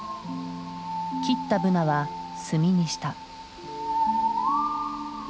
切ったブナは炭にした。